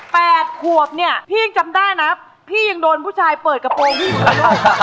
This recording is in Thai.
แปดขวบเนี่ยพี่ยังจำได้นะพี่ยังโดนผู้ชายเปิดกระโปรงพี่อยู่แล้วก็